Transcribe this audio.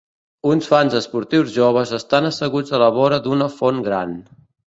Uns fans esportius joves estan asseguts a la vora d'una font gran.